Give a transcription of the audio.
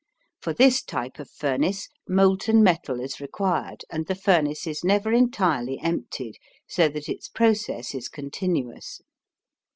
For this type of furnace molten metal is required and the furnace is never entirely emptied, so that its process is continuous.